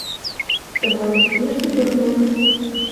Здавалася б, нешта дурное.